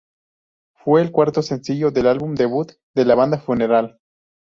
Fue el cuarto sencillo del álbum debut de la banda, "Funeral".